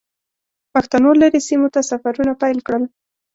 پښتنو لرې سیمو ته سفرونه پیل کړل.